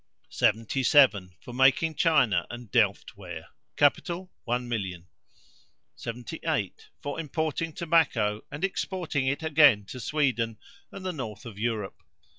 77. For making china and delft ware. Capital, one million. 78. For importing tobacco, and exporting it again to Sweden and the north of Europe.